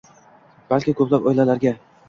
balki ko‘plab oilalarga